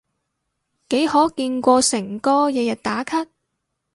幾可見過誠哥日日打卡？